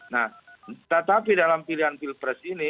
nah tetapi dalam pilihan pilpres ini